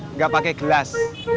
nggak pakai gelas